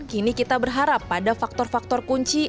kini kita berharap pada faktor faktor kunci